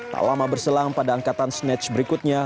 tak lama berselang pada angkatan snatch berikutnya